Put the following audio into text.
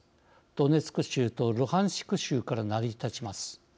ドネツク州とルハンシク州から成り立ちます。